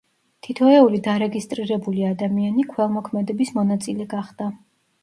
თითოეული დარეგისტრირებული ადამიანი, ქველმოქმედების მონაწილე გახდა.